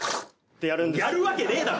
やるわけねえだろ！